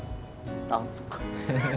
ああそっか